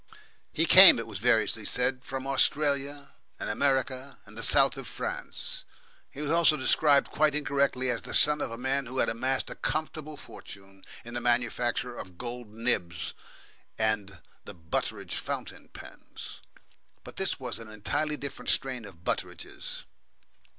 He came, it was variously said, from Australia and America and the South of France. He was also described quite incorrectly as the son of a man who had amassed a comfortable fortune in the manufacture of gold nibs and the Butteridge fountain pens. But this was an entirely different strain of Butteridges.